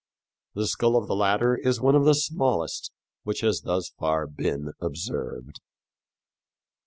The skull of the latter is one of the smallest which has thus far been observed.